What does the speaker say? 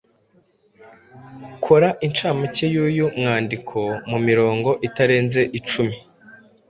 Kora inshamake y’uyu mwandiko mu mirongo itarenze icumi.